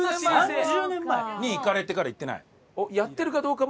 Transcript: ３０年前？に行かれてから行ってない？